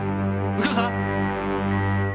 右京さん！？